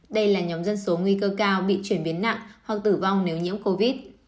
đây là nhóm dân số nguy cơ cao bị chuyển biến nặng hoặc tử vong nếu nhiễm covid